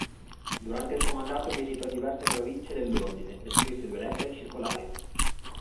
Durante il suo mandato visitò diverse province dell'Ordine e scrisse due lettere circolari.